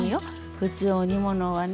普通お煮物はね